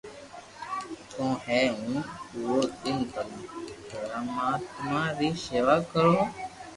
ڪو ھي ھون پورو دن پرماتم ري ݾيوا ڪرو ھ